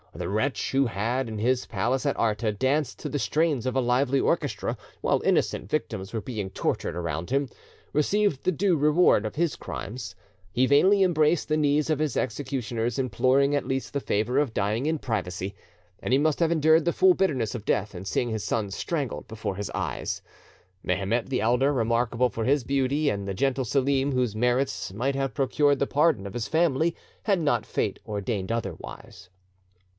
The wretch who had, in his palace at Arta, danced to the strains of a lively orchestra, while innocent victims were being tortured around him, received the due reward of his crimes. He vainly embraced the knees of his executioners, imploring at least the favour of dying in privacy; and he must have endured the full bitterness of death in seeing his sons strangled before his eyes, Mehemet the elder, remarkable, for his beauty, and the gentle Selim, whose merits might have procured the pardon of his family had not Fate ordained otherwise.